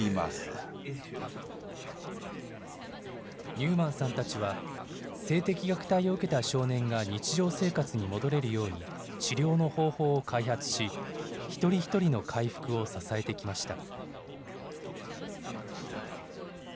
ニューマンさんたちは、性的虐待を受けた少年が日常生活に戻れるように、治療の方法を開発し、一人一人の回復を支えてきました。